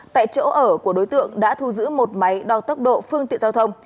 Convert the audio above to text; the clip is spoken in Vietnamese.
tại chỗ ở của đối tượng đã thu giữ một máy đo tốc độ phương tiện giao thông